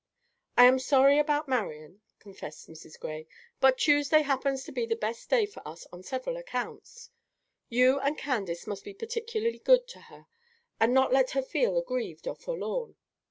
"I am sorry about Marian," confessed Mrs. Gray; "but Tuesday happens to be the best day for us on several accounts. You and Candace must be particularly good to her, and not let her feel aggrieved or forlorn.